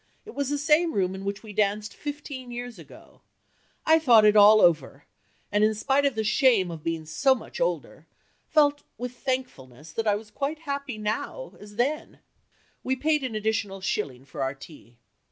It was the same room in which we danced fifteen years ago. I thought it all over, and in spite of the shame of being so much older, felt with thankfulness that I was quite as happy now as then. We paid an additional shilling for our tea."